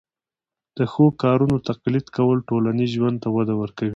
د ښو کارونو تقلید کول ټولنیز ژوند ته وده ورکوي.